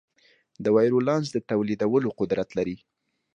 د وایرولانس د تولیدولو قدرت لري.